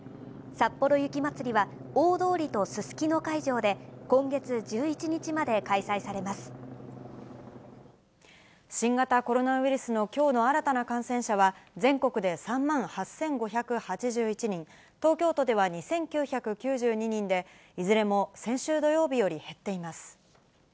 さっぽろ雪まつりは、大通とすすきの会場で、新型コロナウイルスのきょうの新たな感染者は、全国で３万８５８１人、東京都では２９９２人で、いずれも先週土曜日より減っています。